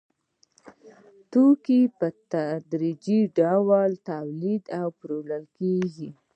توکي په تدریجي ډول تولید او پلورل کېږي